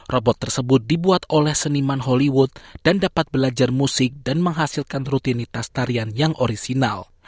robot tersebut dibuat oleh seniman hollywood dan dapat belajar musik dan menghasilkan rutinitas tarian yang orisinal